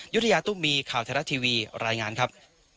ยุฒิยาตุ้มีค่าวเทศรัทย์ทีวีรายงานครับ